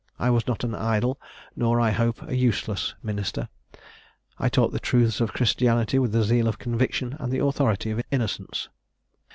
I was not an idle, nor, I hope, an useless minister: I taught the truths of Christianity with the zeal of conviction and the authority of innocence.